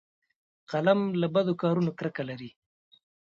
قلم له بدو کارونو کرکه لري